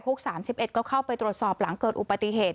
ฮุกส์สามสิบเอ็ดก็เข้าไปตรวจสอบหลังเกิดอุปติเหตุ